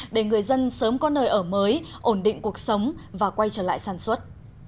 để người dân sớm có nơi ở mới ổn định cuộc sống và quay trở lại sản xuất